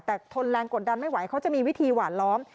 แต่ทนแรงกดดันไม่ไหวเขาจะมีวิธีหวานล้อม